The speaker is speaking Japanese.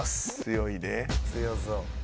強そう。